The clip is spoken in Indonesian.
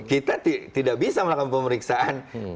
kita tidak bisa melakukan pemeriksaan